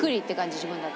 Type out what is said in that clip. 自分だと。